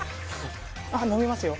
あ飲みますよ